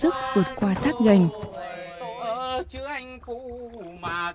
khi con đò thong dòng trôi qua thác gành người ta lại nghĩ ra các bài hò khác nhau